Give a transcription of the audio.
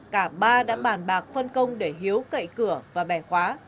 cả ba đã bàn bạc phân công để hiếu cậy cửa và bẻ khóa